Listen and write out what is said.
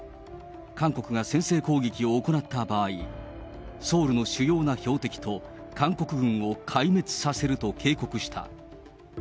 韓国が先制攻撃を行った場合、ソウルの主要な標的と韓国軍を壊滅させると警告した。